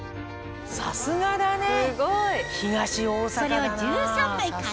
さすがだね！